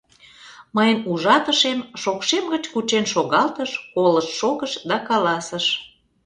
Мыйын ужатышем шокшем гыч кучен шогалтыш, колышт шогыш да каласыш: